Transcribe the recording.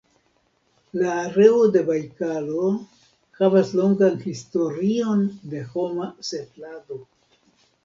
La areo de Bajkalo havas longan historion de homa setlado.